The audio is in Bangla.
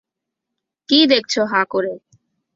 কী দেখছো হাঁ করে?